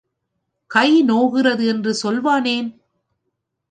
கை நோகிறது என்று சொல்வான் ஏன்?